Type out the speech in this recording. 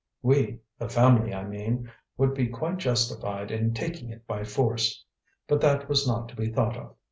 We the family, I mean would be quite justified in taking it by force. But that was not to be thought of.